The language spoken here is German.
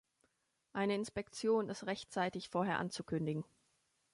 Eine Inspektion ist rechtzeitig vorher anzukündigen.